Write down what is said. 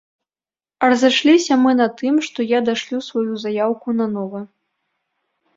Разышліся мы на тым, што я дашлю сваю заяўку нанова.